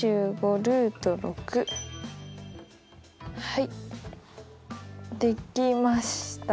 はいできました。